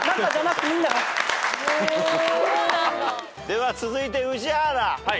では続いて宇治原。